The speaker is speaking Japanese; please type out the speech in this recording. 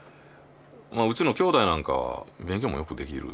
うちのきょうだいなんかは勉強もよくできる。